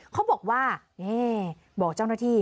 เขาบอกว่าบอกเจ้าหน้าที่